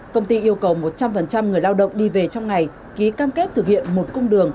công ty yêu cầu một trăm linh người lao động đi về trong ngày ký cam kết thực hiện một cung đường